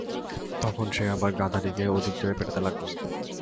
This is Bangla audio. তখন সে আবার গাধাটিকে অধিক জোরে পিটাতে লাগল।